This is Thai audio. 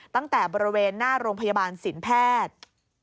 ตั้งแต่บริเวณหน้าโรงพยาบาลสินแพทย์